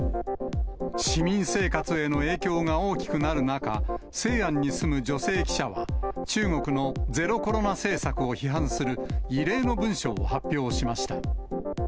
市民生活への影響が大きくなる中、西安に住む女性記者は、中国のゼロコロナ政策を批判する異例の文章を発表しました。